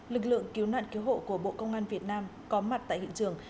lực lượng cứu nạn cứu hộ của bộ công an việt nam có mặt tại hiện trường